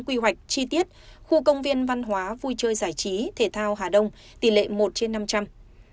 quy hoạch xây dựng khu công viên khoảng chín trăm hai mươi bốn sáu trăm một mươi chín m hai